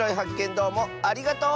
どうもありがとう！